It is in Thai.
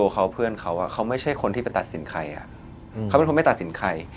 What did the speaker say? เค้าเป็นคนไม่ตัดสินใคร